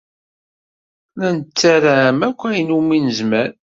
La nettarem akk ayen umi nezmer.